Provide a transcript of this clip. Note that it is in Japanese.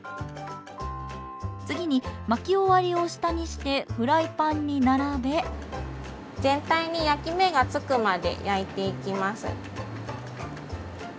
次に巻き終わりを下にしてフライパンに並べ全体に焼き目がつくまで焼いていきます。